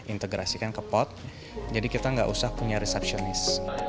integrasikan ke pod jadi kita nggak usah punya resepsionis